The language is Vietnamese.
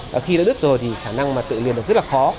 và khi đã đứt rồi thì khả năng tự liền rất là khó